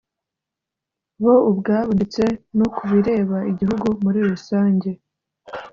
bo ubwabo ndetse no ku bireba i gihugu muri rusange.